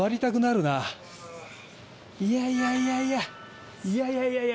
いやいやいやいやいやいやいやいや。